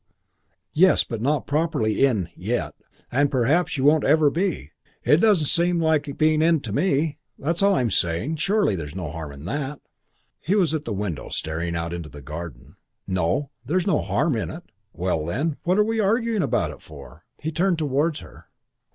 "Yes, but not properly in yet. And perhaps you won't ever be. It doesn't seem like being in to me. That's all I'm saying. Surely there's no harm in that?" He was at the window staring out into the garden. "No, there's no harm in it." "Well, then. What are we arguing about it for?" He turned towards her.